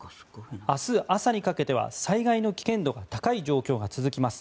明日朝にかけては災害の危険度が高い状況が続きます。